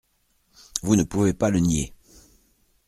Vous ne pouvez pas le nier.